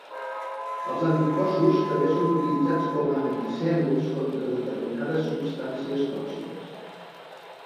Els anticossos també són utilitzats com a antisèrums contra determinades substàncies tòxiques.